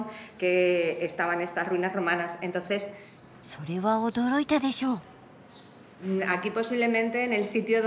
それは驚いたでしょ。